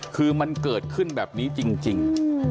คือมันเกิดขึ้นแบบนี้จริง